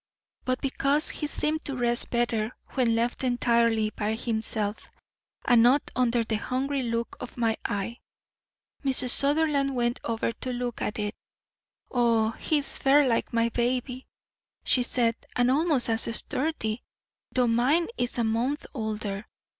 but because he seemed to rest better when left entirely by himself and not under the hungry look of my eye. Mrs. Sutherland went over to look at it. "Oh, he is fair like my baby," she said, "and almost as sturdy, though mine is a month older."